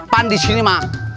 pahan di sini mak